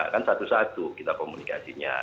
kan satu satu kita komunikasinya